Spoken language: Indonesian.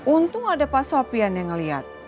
untung ada pak sopyan yang ngeliat